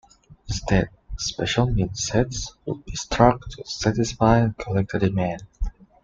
Instead, Special Mint Sets would be struck to satisfy collector demand.